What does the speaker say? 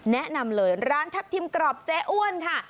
แนะนำเลยร้านทัพทิมกรอบเจ๊อ้วนค่ะ